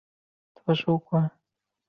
卡氏合跳蛛为跳蛛科合跳蛛属的动物。